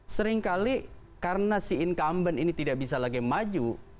seringkali karena si incumbent ini tidak bisa lagi maju